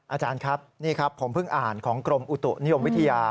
อาจารย์ครับนี่ครับผมเพิ่งอ่านของกรมอุตุนิยมวิทยา